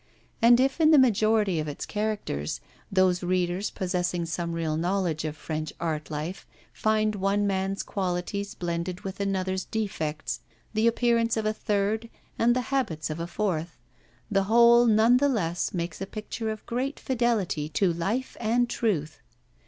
And if in the majority of its characters, those readers possessing some real knowledge of French art life find one man's qualities blended with another's defects, the appearance of a third, and the habits of a fourth, the whole none the less makes a picture of great fidelity to life and truth.